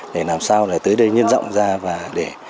để làm sao để tới đây nhân rộng ra và để